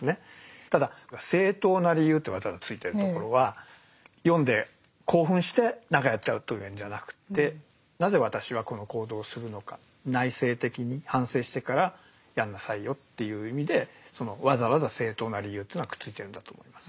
ただ「正当な理由」ってわざわざ付いてるところは読んで興奮して何かやっちゃうとかいうんじゃなくってなぜ私はこの行動をするのか内省的に反省してからやんなさいよっていう意味でそのわざわざ「正当な理由」というのはくっついてるんだと思います。